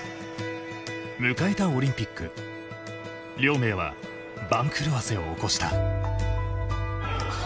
迎えたオリンピック亮明は番狂わせを起こした。